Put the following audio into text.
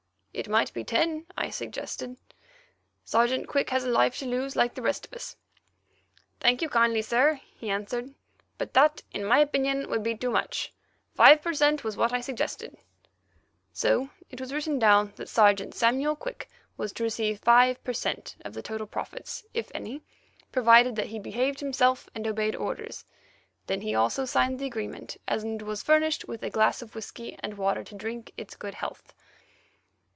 "It might be ten," I suggested. "Sergeant Quick has a life to lose like the rest of us." "Thank you kindly, sir," he answered; "but that, in my opinion, would be too much. Five per cent. was what I suggested." So it was written down that Sergeant Samuel Quick was to receive five per cent. of the total profits, if any, provided that he behaved himself and obeyed orders. Then he also signed the agreement, and was furnished with a glass of whisky and water to drink to its good health.